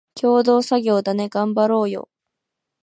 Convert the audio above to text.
共同作業だね、がんばろーよ